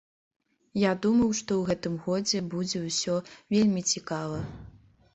Я думаю, што ў гэтым годзе будзе ўсё вельмі цікава.